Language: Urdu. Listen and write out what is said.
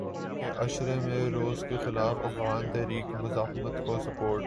کے عشرے میں روس کے خلاف افغان تحریک مزاحمت کو سپورٹ